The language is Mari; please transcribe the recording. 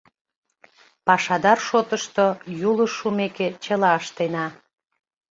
Пашадар шотышто, Юлыш шумеке, чыла ыштена.